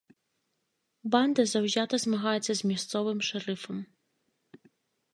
Банда заўзята змагаецца з мясцовым шэрыфам.